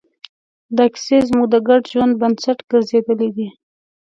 دا کیسې زموږ د ګډ ژوند بنسټ ګرځېدلې دي.